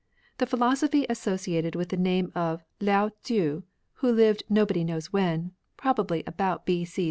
The philosophy associated with the name of Lao Tzu, who lived nobody knows when, — ^probably about B.C.